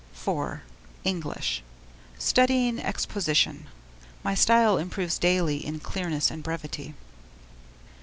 IV. English: Studying exposition. My style improves daily in clearness and brevity.